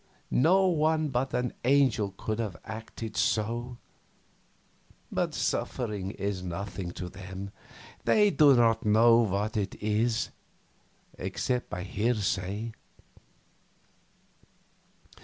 No one but an angel could have acted so; but suffering is nothing to them; they do not know what it is, except by hearsay.